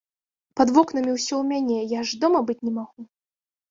Пад вокнамі ўсё у мяне, я ж дома быць не магу!